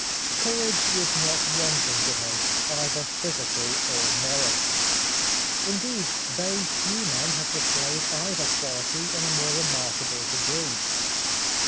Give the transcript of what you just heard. Courage was not wanting to him, either physical or moral. Indeed very few men have displayed either quality in a more remarkable degree.